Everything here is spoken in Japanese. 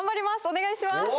お願いします。